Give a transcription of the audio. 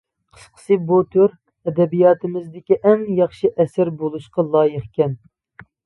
قىسقىسى بۇ تور ئەدەبىياتىمىزدىكى ئەڭ ياخشى ئەسەر بولۇشقا لايىقكەن.